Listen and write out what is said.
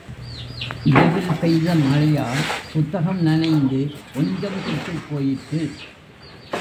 இரவில் பெய்த மழையால் புத்தகம் நனைந்து கொஞ்சம் கெட்டுப் போயிற்று.